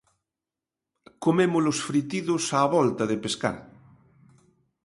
Comémolos fritidos á volta de pescar.